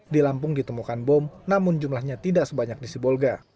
di lampung ditemukan bom namun jumlahnya tidak sebanyak di sibolga